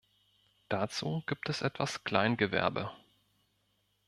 Dazu gibt es etwas Kleingewerbe.